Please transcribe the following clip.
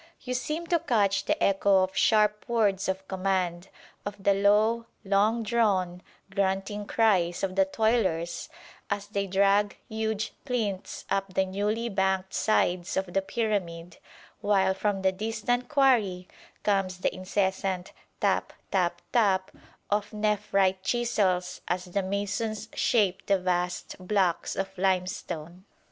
You seem to catch the echo of sharp words of command, of the low, long drawn, grunting cries of the toilers as they drag huge plinths up the newly banked sides of the pyramid; while from the distant quarry comes the incessant "tap tap tap" of nephrite chisels as the masons shape the vast blocks of limestone.